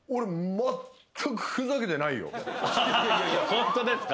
ホントですか？